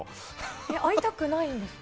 会いたくないんですか？